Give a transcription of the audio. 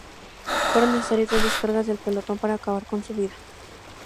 Fueron necesarias dos descargas del pelotón para acabar con su vida.